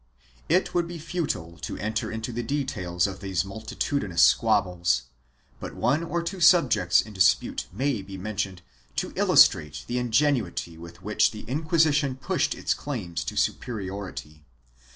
It would be futile to enter into the details of these multi tudinous squabbles, but one or two subjects in dispute may be mentioned to illustrate the ingenuity with which the Inquisition pushed its claims to superiority.